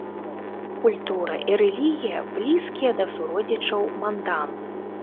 Культура і рэлігія блізкія да суродзічаў-мандан.